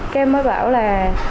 cái em mới bảo là